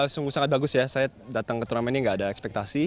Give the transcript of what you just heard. sungguh sangat bagus ya saya datang ke turnamen ini nggak ada ekspektasi